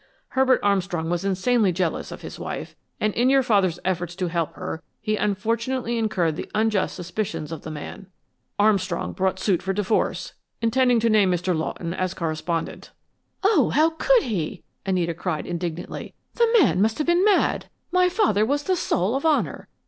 Herbert Armstrong was insanely jealous of his wife, and in your father's efforts to help her he unfortunately incurred the unjust suspicions of the man. Armstrong brought suit for divorce, intending to name Mr. Lawton as corespondent." "Oh, how could he!" Anita cried, indignantly. "The man must have been mad! My father was the soul of honor.